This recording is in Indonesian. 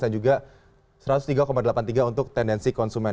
dan juga satu ratus tiga delapan puluh tiga untuk tendensi konsumen